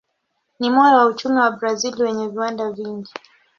Ni moyo wa uchumi wa Brazil wenye viwanda vingi.